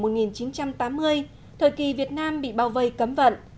năm một nghìn chín trăm tám mươi thời kỳ việt nam bị bao vây cấm vận